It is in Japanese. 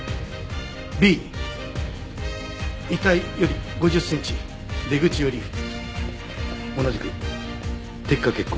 Ｂ遺体より５０センチ出口寄り同じく滴下血痕。